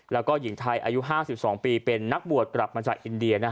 แล้วก็หญิงไทยอายุ๕๒ปีเป็นนักบวชกลับมาจากอินเดีย